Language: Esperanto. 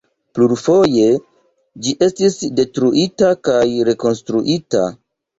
Plurfoje ĝi estis detruita kaj rekonstruita.